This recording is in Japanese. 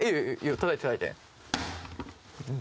たたいてたたいて。